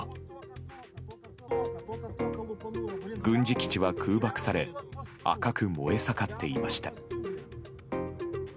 軍事基地は空爆され赤く燃え盛っていました。